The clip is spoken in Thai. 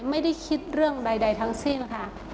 ไม่ได้คิดเรื่องใดทั้งสิ้นค่ะ